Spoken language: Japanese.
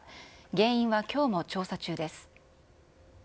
原因はきょうも調査中です。